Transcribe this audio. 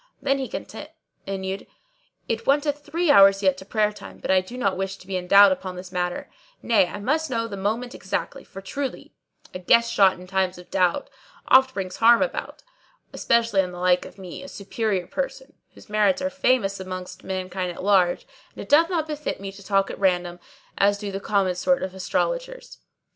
Then he continued, "It wanteth three hours yet to prayer time; but I do not wish to be in doubt upon this matter; nay, I must know the moment exactly, for truly, 'A guess shot in times of doubt, oft brings harm about;' especially in the like of me, a superior person whose merits are famous amongst mankind at large; and it doth not befit me to talk at random, as do the common sort of astrologers."